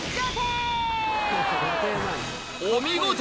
お見事！